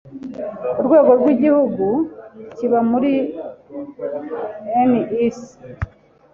Ku rwego rw’Igihugu kiba muri NIC